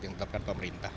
yang ditetapkan pemerintah